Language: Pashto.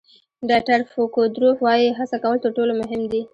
ډایټر فوکودروف وایي هڅه کول تر ټولو مهم دي.